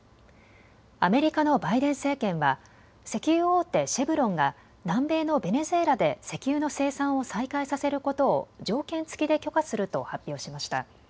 アメリカのバイデン政権は石油大手、シェブロンが南米のベネズエラで石油の生産を再開させることを条件付きで許可すると発表しました。